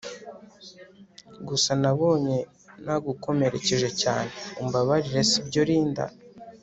gusa nabonye nagukomerekeje cyane umbabarire sibyo Linda